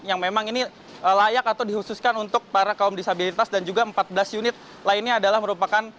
yang memang ini layak atau dikhususkan untuk para kaum disabilitas dan juga empat belas unit lainnya adalah merupakan